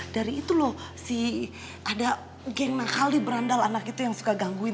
dari itu loh si ada geng nakal di brandal anak itu yang suka gangguin